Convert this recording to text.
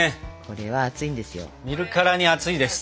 見るからに熱いです。